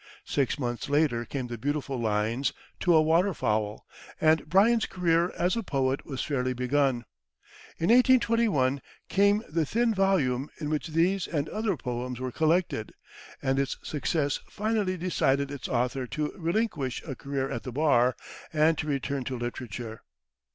Six months later came the beautiful lines, "To a Waterfowl," and Bryant's career as a poet was fairly begun. In 1821 came the thin volume in which these and other poems were collected, and its success finally decided its author to relinquish a career at the bar and to turn to literature.